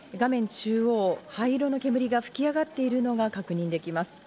中央、灰色の煙が噴き上がっているのが確認できます。